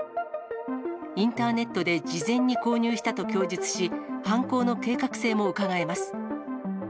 インターネットで事前に購入したと供述し、犯行の計画性もうかがえます。